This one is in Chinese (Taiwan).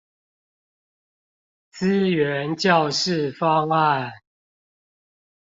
資源教室方案